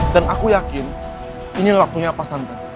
dan aku yakin ini lakunya pas tante